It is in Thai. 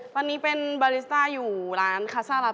ตอนนี้เป็นบาริสต้าอยู่ร้านคาซ่ารัฐ